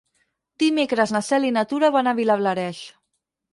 Dimecres na Cel i na Tura van a Vilablareix.